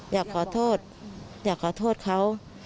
อยากขอโทษอยากขอโทษเขา